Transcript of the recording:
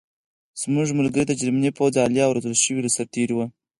زموږ ملګري د جرمني پوځ عالي او روزل شوي سرتېري وو